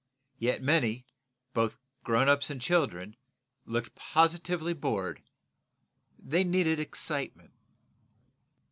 Yet many, both grown ups and children, looked positively bored. They needed excitement.